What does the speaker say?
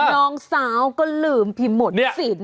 น้องสาวก็ลืมพิมพ์หมดสิน